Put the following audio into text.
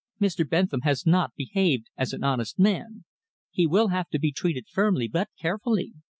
"Mr. Bentham has not behaved as an honest man. He will have to be treated firmly but carefully.